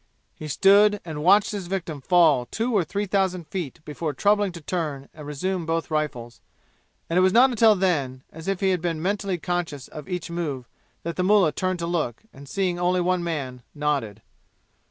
He stood and watched his victim fall two or three thousand feet before troubling to turn and resume both rifles; and it was not until then, as if he had been mentally conscious of each move, that the mullah turned to look, and seeing only one man nodded.